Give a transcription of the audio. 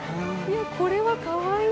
これはかわいい！